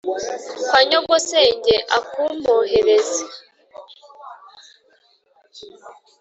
kwa nyogosenge akumpohereze